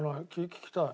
聴きたい。